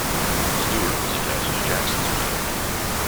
Stuart was attached to Jackson's wing.